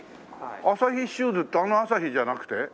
アサヒシューズってあのアサヒじゃなくて？